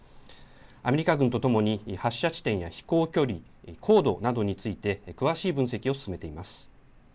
アメリカ軍とともに発射地点や飛行距離、高度などについて詳しい分析を進めています。